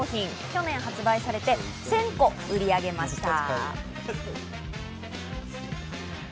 去年発売されて１０００個売り上げました。